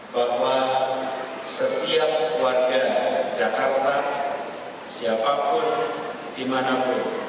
bahwa setiap warga jakarta siapapun dimanapun